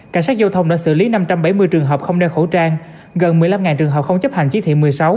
cảnh sát giao thông đã xử lý năm trăm bảy mươi trường hợp không đeo khẩu trang gần một mươi năm trường hợp không chấp hành chỉ thị một mươi sáu